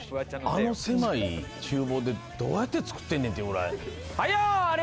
あの狭い厨房で、どうやって作ってるんだっていう感じで。